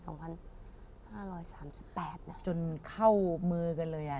ตั้งแต่ปี๒๕๓๘จนเข้ามือกันเลยอ่ะ